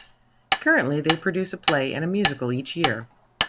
Currently, they produce a play and a musical each year.